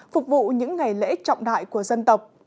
phục vụ những ngày lễ trọng đại của dân tộc